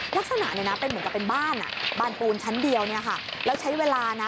ลักษณะเนี่ยนะเป็นเหมือนกับเป็นบ้านบ้านปูนชั้นเดียวเนี่ยค่ะแล้วใช้เวลานะ